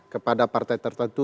kepada partai tertentu